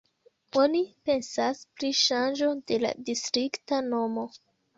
Oni pensas pri ŝanĝo de la distrikta nomo.